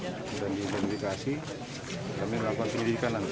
kemudian di identifikasi kami melakukan penyelidikan nanti